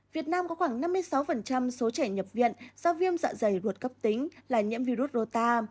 việt nam có khoảng năm mươi sáu số trẻ nhập viện do viêm dạ dày ruột cấp tính là nhiễm virus rota